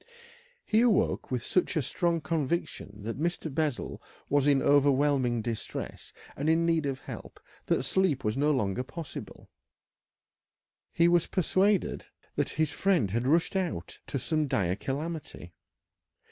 He awoke with such a strong conviction that Mr. Bessel was in overwhelming distress and need of help that sleep was no longer possible. He was persuaded that his friend had rushed out to some dire calamity.